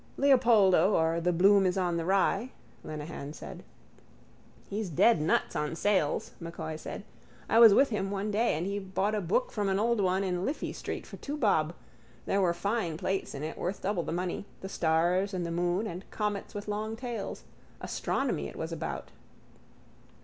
—Leopoldo or the Bloom is on the Rye, Lenehan said. —He's dead nuts on sales, M'Coy said. I was with him one day and he bought a book from an old one in Liffey street for two bob. There were fine plates in it worth double the money, the stars and the moon and comets with long tails. Astronomy it was about.